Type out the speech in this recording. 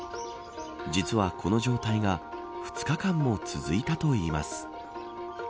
実は、この状態が２日間も続いたといいます。